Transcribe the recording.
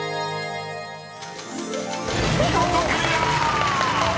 ［見事クリア！］